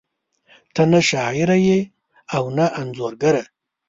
ته نه شاعره ېې او نه انځورګره